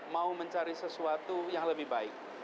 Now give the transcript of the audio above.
mau mencari sesuatu yang lebih baik